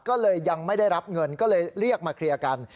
ก็เลยยังไม่ได้รับเงินก็เลยเรียกมาเคลียร์กัน